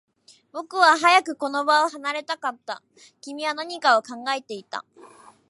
僕は早くこの場を離れたかった。君は何かを考えていた。